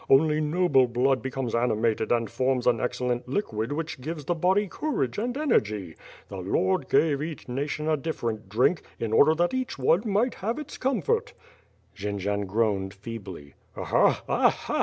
Only noble blood becomes animated and forms an excellent liquid which gives the body courage and energy. The I^rd gave each nation a different drink, in order that each one might have its comfort " Jendzian groaned feebly. Alia! Aha!